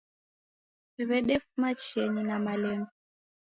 W'edefuma chienyi na malemba.